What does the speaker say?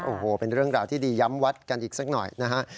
โอ้โหเป็นเรื่องราวที่ดีย้ำวัดกันอีกสักหน่อยนะฮะ